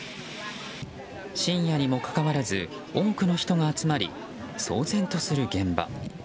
深夜にもかかわらず多くの人が集まり騒然とする現場。